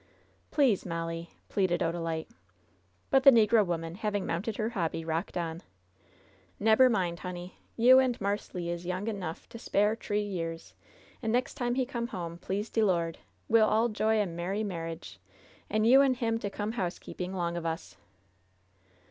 "Please, MoUie," pleaded Odalite. But the negro woman, having mounted her hobby, rocked on: "Neb^er mind, honey. You and Marse Le is young 'nough to spare t'ree years, an' next time he come home, please de Lord, we'll all 'joy a merry marridge, an' you an' him to come to housekeeping 'long of us."